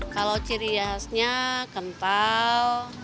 kalau ciri khasnya kental